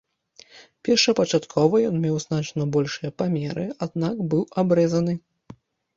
Першапачаткова ён меў значна большыя памеры, аднак быў абрэзаны.